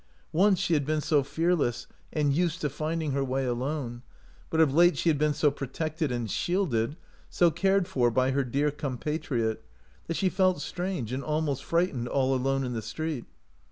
Once she had been so fearless and used to finding her way alone ; but of late she had been so protected and shielded, so cared for by her dear compatriot, that she felt strange and almost frightened all alone in the street.